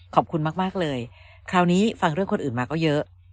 ขอบคุณมากเลยคราวนี้ฟังเรื่องคนอื่นมาก็เยอะ